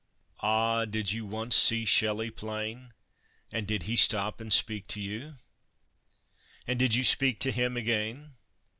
"Ah, did you once see Shelley plain? And did he stop and speak to you? And did you speak to him again?